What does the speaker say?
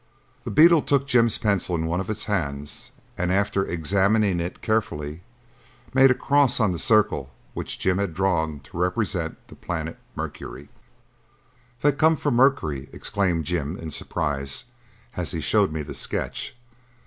The beetle took Jim's pencil in one of its hands and, after examining it carefully, made a cross on the circle which Jim had drawn to represent the planet Mercury. "They come from Mercury," exclaimed Jim in surprise as he showed me the sketch.